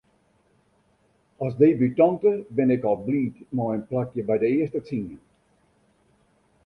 As debutante bin ik al bliid mei in plakje by de earste tsien.